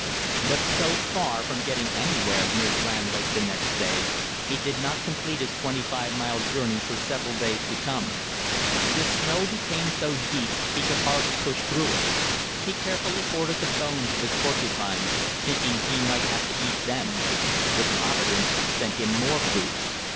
But so far from getting anywhere near Grand Lake the next day, he did not complete his twenty five mile journey for several days to come. The snow became so deep he could hardly push through it. He carefully hoarded the bones of his porcupine, thinking he might have to eat them; but Providence sent him more food.